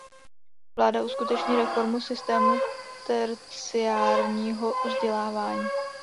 Vláda uskuteční reformu systému terciárního vzdělávání.